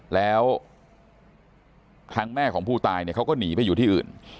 แล้วทางแม่ของผู้ตายเนี่ยเขาก็หนีไปอยู่ที่อื่น